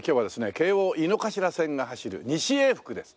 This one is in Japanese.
京王井の頭線が走る西永福です。